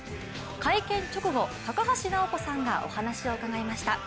会見直後、高橋尚子さんがお話を伺いました。